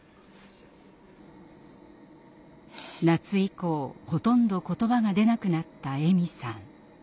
夏以降ほとんど言葉が出なくなったエミさん。